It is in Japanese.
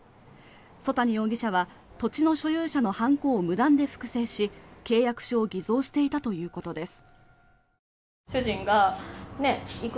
曽谷容疑者は土地の所有者の判子を無断で複製し契約書を偽造していたということです。